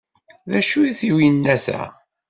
D acu-t uyennat-a?